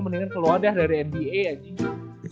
mendingan keluar dah dari nba anjing